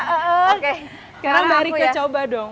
sekarang barike coba dong